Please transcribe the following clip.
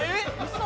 嘘！